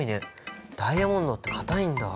ダイヤモンドって硬いんだ。